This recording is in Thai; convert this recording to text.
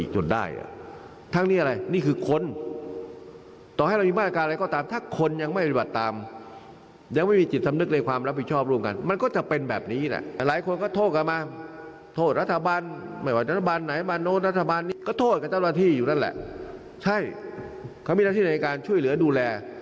ใช่เขามีหน้าที่ในการช่วยเหลือดูแล